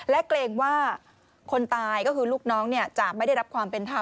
และเกรงว่าคนตายก็คือลูกน้องจะไม่ได้รับความเป็นธรรม